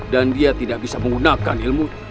dan dia tidak bisa menggunakan ilmu